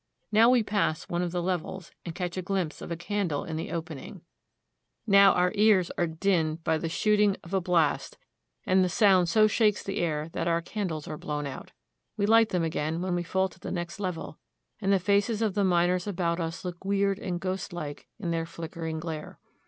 Now we pass one of the levels, and catch a glimpse of a candle in the opening. Now our ears are dinned by the A DAY IN A SILVER MINE. 25 1 shooting of a blast, and the sound so shakes the air that our candles are blown out. We light them again when we fall to the next level, and the faces of the miners about us look weird and ghostlike in their flickering glare.